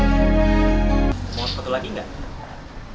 mau sepatu lagi nggak